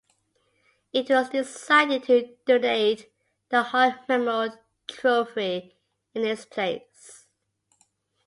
It was decided to donate the Hart Memorial Trophy in its place.